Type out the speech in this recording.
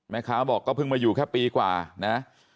แม่ค้าบอกก็เพิ่งมาอยู่แค่ปีกว่านะ